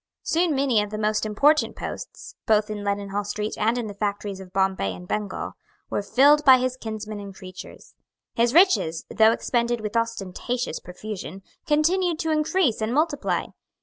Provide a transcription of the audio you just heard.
Soon many of the most important posts, both in Leadenhall Street and in the factories of Bombay and Bengal, were filled by his kinsmen and creatures. His riches, though expended with ostentatious profusion, continued to increase and multiply.